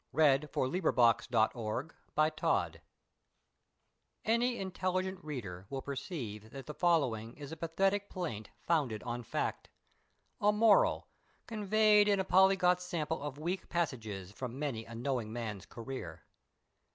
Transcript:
[Illustration: The Fairy Queen] MANY an intelligent reader will perceive that the following is a pathetic plaint founded on fact. A moral, conveyed in a polyglot sample of weak passages from many a knowing man's career.